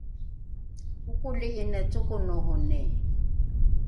okoli’ine cokonoroni